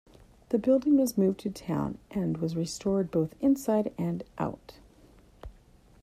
The building was moved to town and was restored both inside and out.